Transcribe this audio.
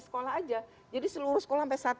sekolah aja jadi seluruh sekolah sampai